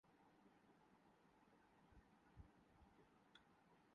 کچھ دیر بعد چند افسران اس کے